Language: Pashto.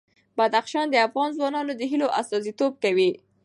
بدخشان د افغان ځوانانو د هیلو استازیتوب کوي.